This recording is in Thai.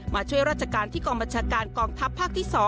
มาช่วยราชการที่กองบัญชาการกองทัพภาคที่๒